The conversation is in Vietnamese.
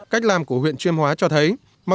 cách làm của huyện chuyên hóa cho thấy